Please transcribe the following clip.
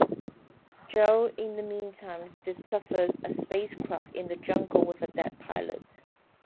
Jo, in the meantime, discovers a spacecraft in the jungle with a dead pilot.